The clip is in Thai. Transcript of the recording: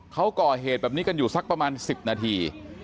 เขาก่อเหตุแบบนี้กันอยู่สักประมาณ๑๐นาที